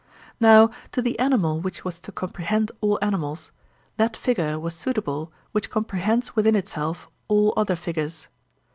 Now to the animal which was to comprehend all animals, that figure was suitable which comprehends within itself all other figures.